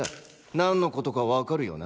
何のことかわかるよな？